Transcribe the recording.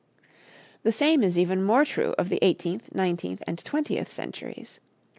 The same is even more true of the eighteenth, nineteenth and twentieth centuries.